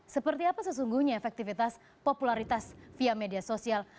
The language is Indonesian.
seperti apa sesungguhnya efektivitas popularitas via media sosial